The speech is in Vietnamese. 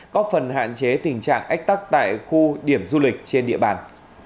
có phần hạn chế tình trạng ách tắc tại khu điểm du lịch trên địa bàn